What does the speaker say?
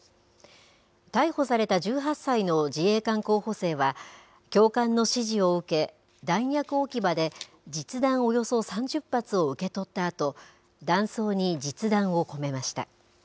逮捕された１８歳の自衛官候補生は、教官の指示を受け、弾薬置き場で、実弾およそ３０発を受け取ったあと、弾倉に実弾を込めました。